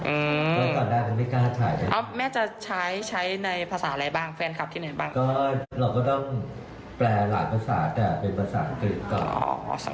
อืมแม่จะใช้ในภาษาอะไรบ้างแฟนคับที่ไหนบ้างก็เราก็ต้องแปลหลายภาษาแต่เป็นภาษาอังกฤษก่อน